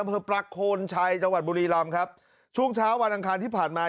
อำเภอประโคนชัยจังหวัดบุรีรำครับช่วงเช้าวันอังคารที่ผ่านมา